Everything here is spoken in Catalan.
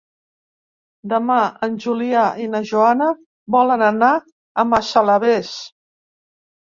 Demà en Julià i na Joana volen anar a Massalavés.